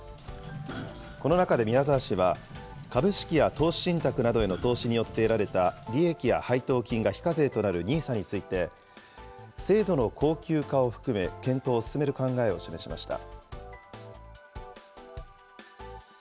この中で宮沢氏は、株式や投資信託などによって得られた利益や配当金が非課税となるＮＩＳＡについて、制度の恒久化を含め検討を進める考えを示しました。